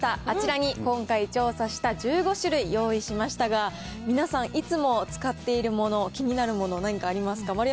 あちらに、今回調査した１５種類用意しましたが、皆さん、いつも使っているもの、気になるもの、何かありますか？